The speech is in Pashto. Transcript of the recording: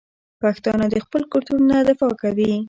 پښتانه د خپل کلتور نه دفاع کوي.